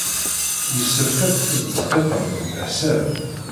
Yessefk ad tettdeqqiqem deg leḥsab.